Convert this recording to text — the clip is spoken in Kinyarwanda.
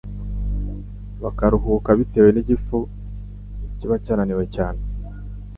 bakaruhuka bitewe n’igifu kiba cyananiwe cyane.